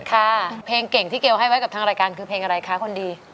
ค่ะเพลงเก่งที่เกลให้ไว้กับทางรายการคือเพลงอะไรคะคนดี